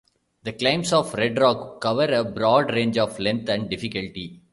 The climbs of Red Rock cover a broad range of length and difficulty.